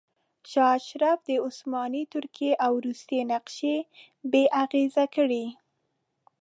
شاه اشرف د عثماني ترکیې او روسیې نقشې بې اغیزې کړې.